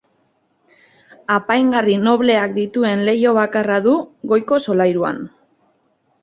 Apaingarri nobleak dituen leiho bakarra du, goiko solairuan.